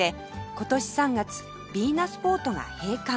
今年３月ヴィーナスフォートが閉館